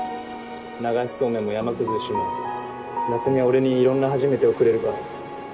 流しそうめんも山崩しも夏海は俺にいろんな初めてをくれるから。